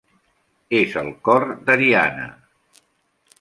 És el cor d'Haryana.